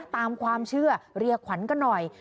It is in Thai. ตามความเชื่อเรียกขวัญกันหน่อย